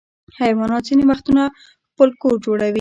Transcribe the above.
حیوانات ځینې وختونه خپل کور جوړوي.